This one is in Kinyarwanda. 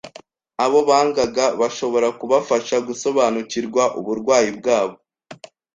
Abo baganga bashobora kubafasha gusobanukirwa uburwayi bwabo